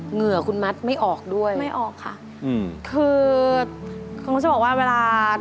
เหงื่อคุณมัดไม่ออกด้วยไม่ออกค่ะอืมคือเขาจะบอกว่าเวลา